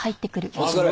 お疲れ。